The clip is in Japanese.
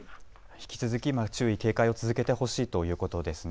引き続き注意、警戒を続けてほしいということですね。